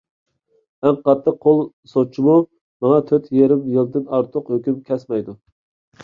ئەڭ قاتتىق قول سوتچىمۇ ماڭا تۆت يېرىم يىلدىن ئارتۇق ھۆكۈم كەسمەيدۇ.